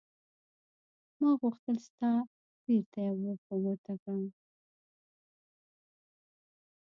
ما غوښتل سنایپر ته په ګوته سپکاوی وکړم